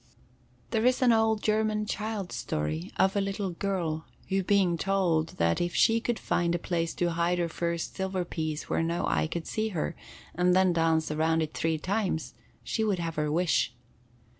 There is an old German child's story of a little girl who being told that if she could find a place to hide her first silver piece where no eye could see her, and then dance round it three times, she would have her wish.